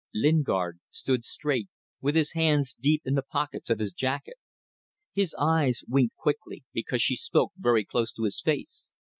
Lingard stood straight, with his hands deep in the pockets of his jacket. His eyes winked quickly, because she spoke very close to his face.